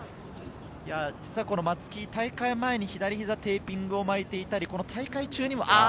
松木、大会前に左ひざ、テーピングを巻いていたり大会中にも。